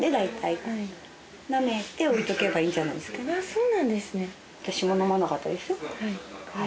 そうなんですね。